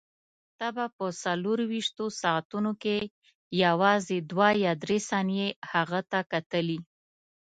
ته به په څلورویشتو ساعتو کې یوازې دوه یا درې ثانیې هغه ته کتلې.